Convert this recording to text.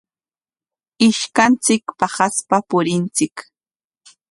Ishkanchik paqaspa purinchik.